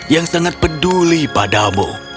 yang sangat peduli padamu